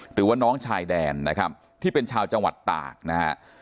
หรือว่าน้องชายแดนนะครับที่เป็นชาวจังหวัดตากนะฮะ